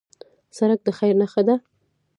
سړک د خیر نښه ده.